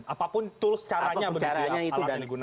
apapun tools caranya menurut anda yang digunakan